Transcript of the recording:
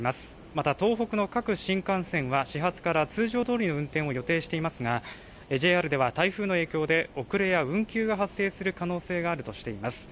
また東北の各新幹線は始発から通常どおり運転を予定していますが、ＪＲでは台風の影響で、遅れや運休が発生する可能性があるとしています。